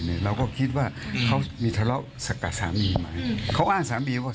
เป็นประโยคเดียวที่บอกว่าสามีทำร้ายมา